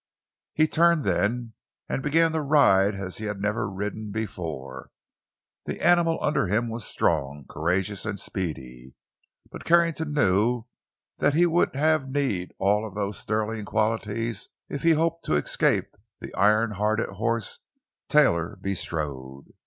He turned then and began to ride as he had never ridden before. The animal under him was strong, courageous, and speedy; but Carrington knew he would have need of all those sterling qualities if he hoped to escape the iron hearted horse Taylor bestrode.